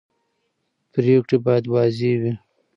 پرېکړې باید واضح وي